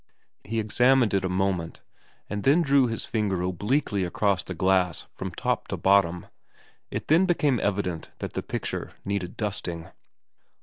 He examined it a moment, and then drew his finger obliquely across the glass from top to bottom. It then became evident that the picture needed dusting.